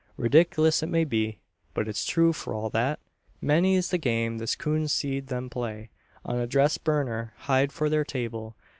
"Ridiklus it may be; but it's true f'r all that. Many's the game this coon's seed them play, on a dressed burner hide for their table.